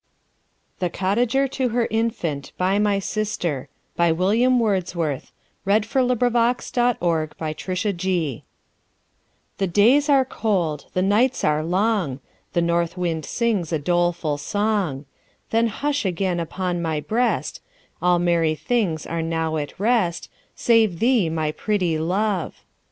THE COTTAGER TO HER INFANT BY MY SISTER THE COTTAGER TO HER INFANT THE days are cold, the nights are long, The north wind sings a doleful song; Then hush again upon my breast; All merry things are now at rest, Save thee, my pretty Love!